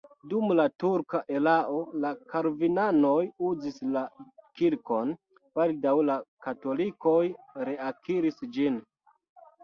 Dum la turka erao la kalvinanoj uzis la kirkon, baldaŭ la katolikoj reakiris ĝin.